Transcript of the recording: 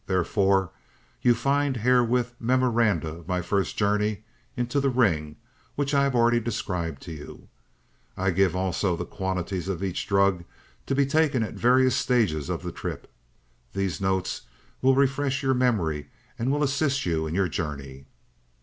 Therefore, you will find herewith memoranda of my first journey into the ring which I have already described to you; I give also the quantities of each drug to be taken at various stages of the trip. These notes will refresh your memory and will assist you in your journey.